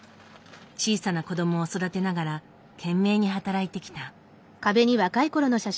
小さな子どもを育てながら懸命に働いてきた。